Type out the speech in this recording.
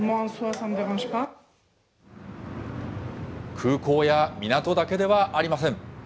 空港や港だけではありません。